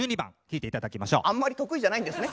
あんまり得意じゃないんですね。